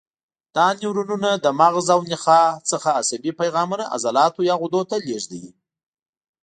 دا نیورونونه له مغز او نخاع څخه عصبي پیغامونه عضلاتو یا غدو ته لېږدوي.